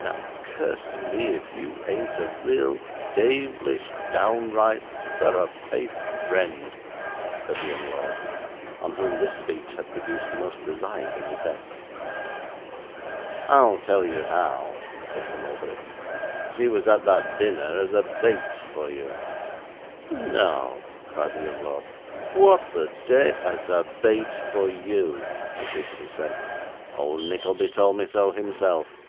'Now, curse me, if you ain't a real, deyvlish, downright, thorough paced friend,' said the young lord, on whom this speech had produced a most reviving effect. 'I'll tell you how,' said Sir Mulberry. 'She was at that dinner as a bait for you.' 'No!' cried the young lord. 'What the dey ' 'As a bait for you,' repeated his friend; 'old Nickleby told me so himself.